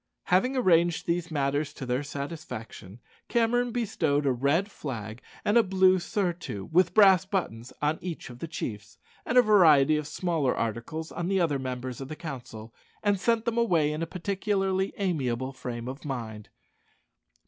Having arranged these matters to their satisfaction, Cameron bestowed a red flag and a blue surtout with brass buttons on each of the chiefs, and a variety of smaller articles on the other members of the council, and sent them away in a particularly amiable frame of mind.